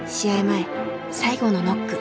前最後のノック。